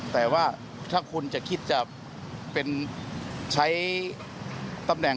แต่ว่าถ้าคุณจะคิดจะเป็นใช้ตำแหน่ง